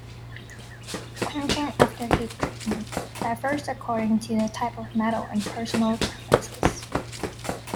Quenching after heat treatment differs according to type of metal and personal preferences.